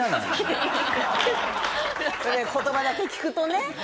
言葉だけ聞くとね。